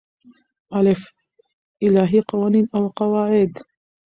الف : الهی قوانین او قواعد